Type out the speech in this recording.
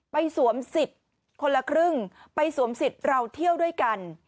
สวมสิทธิ์คนละครึ่งไปสวมสิทธิ์เราเที่ยวด้วยกัน